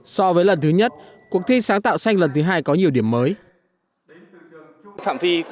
so với lần thứ nhất cuộc thi sáng tạo xanh lần thứ hai có nhiều điểm mới